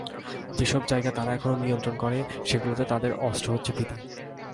যেসব জায়গা তারা এখনো নিয়ন্ত্রণ করে, সেগুলোতে তাদের অস্ত্র হচ্ছে ভীতি।